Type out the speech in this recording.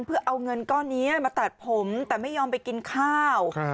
เพื่อเอาเงินก้อนนี้มาตัดผมแต่ไม่ยอมไปกินข้าว